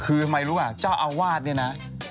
คือทำไมรู้ป่ะเจ้าอาวาสเนี่ยนะ